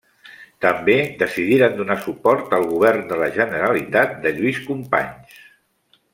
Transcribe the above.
També decidiren donar suport el govern de la Generalitat de Lluís Companys.